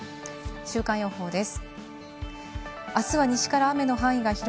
週間予報です。